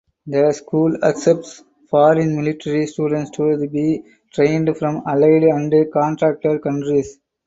The school accepts foreign military students to be trained from allied and contracted countries.